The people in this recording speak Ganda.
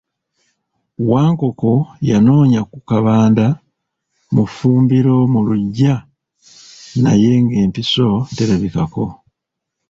Wankoko yanoonya ku kabada, mu ffumbiro, mu luggya naye ng'empiso terabikako.